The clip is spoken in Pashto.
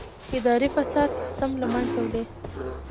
اداري فساد سیستم له منځه وړي.